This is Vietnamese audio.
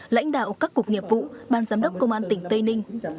lãnh đạo các cục nghiệp vụ ban giám đốc công an tỉnh tây ninh